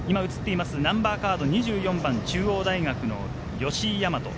ナンバーカード２４番、中央大学・吉居大和。